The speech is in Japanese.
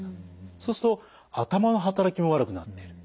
そうすると頭の働きも悪くなっている。